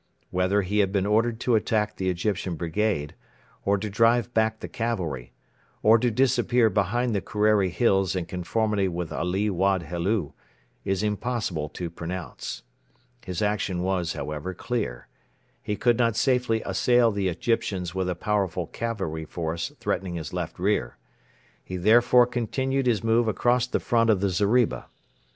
Whether he had been ordered to attack the Egyptian brigade, or to drive back the cavalry, or to disappear behind the Kerreri Hills in conformity with Ali Wad Helu, is impossible to pronounce. His action was, however, clear. He could not safely assail the Egyptians with a powerful cavalry force threatening his left rear. He therefore continued his move across the front of the zeriba.